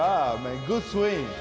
グッドスイング。